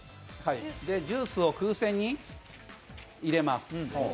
ジュースを風船に入れます。